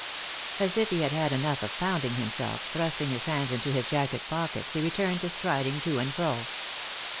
As if he had had enough of pounding himself, thrust ing his hands into bis jacket pockets he returned to striding to and fro.